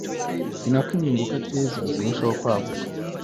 ni nako impinduka ateza zirushaho kwaguka